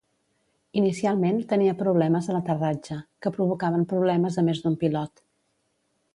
Inicialment, tenia problemes a l'aterratge, que provocaven problemes a més d'un pilot.